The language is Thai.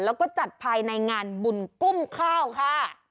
แล้วก็จัดภายในงานบุญกุ้มข้าวค่ะ